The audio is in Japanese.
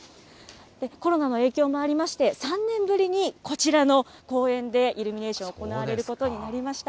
コロナの影響もありまして、３年ぶりにこちらの公園で、イルミネーション、行われることになりました。